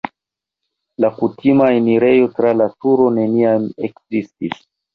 La kutima enirejo tra la turo neniam ekzistis.